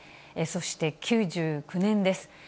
そして９９年です。